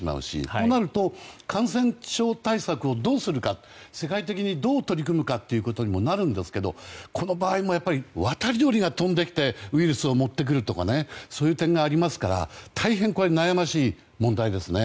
となると感染症対策をどうするか世界的にどう取り組むかということにもなるんですがこの場合も、渡り鳥が飛んできてウイルスを持ってくるとかそういう点もありますから大変悩ましい問題ですね。